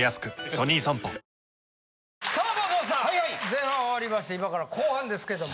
前半終わりまして今から後半ですけども。